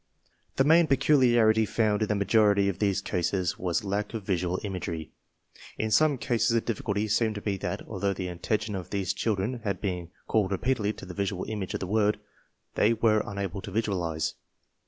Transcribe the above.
The main peculiarity found in the majority of these cases was lack of visual imagery. In some cases the difficulty seemed to be that, although the attention of these children had been called repeatedly to the visual image of the word, they were unable to visualize.